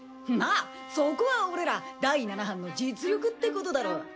まっそこは俺ら第七班の実力ってことだろ。